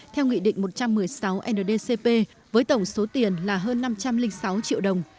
theo nghị định một trăm một mươi sáu ndcp với tổng số tiền là hơn năm trăm linh sáu triệu đồng